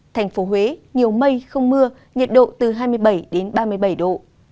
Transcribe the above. thành phố huế nhiều mây không mưa nhiệt độ từ hai mươi bảy đến ba mươi bảy độ